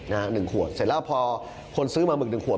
เสร็จแล้วพอคนซื้อมามึกหนึ่งขวด